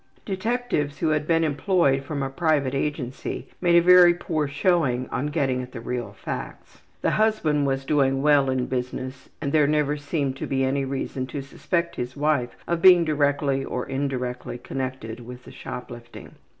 Detectives who had been employed from a private agency made a very poor showing on getting at the real facts. The husband was doing well in his business and there never seemed to be any reason to suspect his wife of being directly or indirectly connected with the shoplifting.